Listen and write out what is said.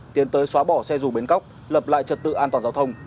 tiến tới xóa bỏ xe dù bến cóc lập lại trật tự an toàn giao thông